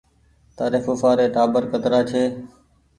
تآري ڦوڦآ ري ٽآٻر ڪترآ ڇي